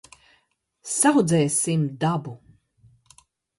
Saudz?sim dabu -